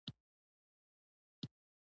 شنه چای څښل ډیرې روغتیايي ګټې لري.